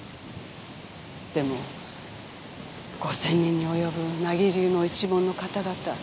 でも５，０００人に及ぶ名木流の一門の方々。